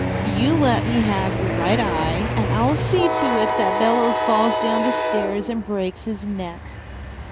"You let me have your right eye and I'll see to it that Bellows falls down the stairs and breaks his neck."